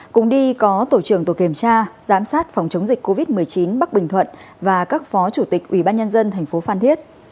cũng đi có tổ trưởng tổ kiểm tra giám sát phòng chống dịch covid một mươi chín bắc bình thuận và các phó chủ tịch ubnd tp phan thiết